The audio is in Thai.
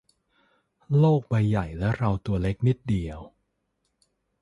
โลกใบใหญ่และเราตัวเล็กนิดเดียว